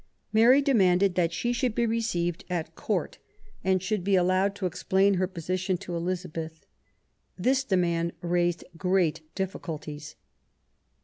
Mary demanded that she should be received at I04 QUEEN ELIZABETH. Court and should be allowed to explain her position to Elizabeth. This demand raised great difficulties.